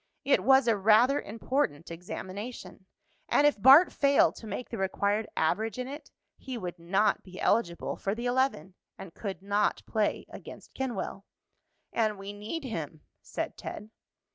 It was a rather important examination, and if Bart failed to make the required average in it he would not be eligible for the eleven, and could not play against Kenwell. "And we need him," said Ted.